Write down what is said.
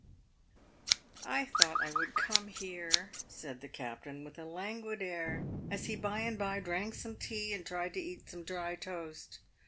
" I thought I would come here," said the captain, with a languid air, as he by and by drank some tea, and tried to eat some dry toast.